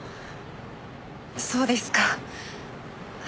そうですか。